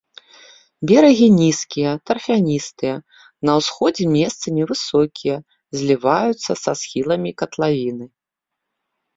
Берагі нізкія, тарфяністыя, на ўсходзе месцамі высокія, зліваюцца са схіламі катлавіны.